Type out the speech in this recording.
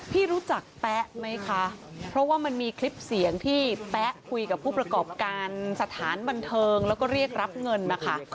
พี่รู้จักแป๊ะไหมคะเพราะว่ามันมีคลิปเสียงที่แป๊ะคุยกับผู้ประกอบการสถานบันเทิงแล้วก็เรียกรับเงินมาค่ะ